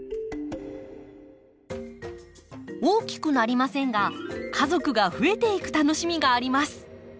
大きくなりませんが家族が増えていく楽しみがあります。